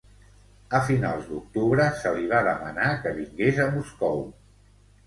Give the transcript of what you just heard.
A finals d'octubre, se li va demanar que vingués a Moscou.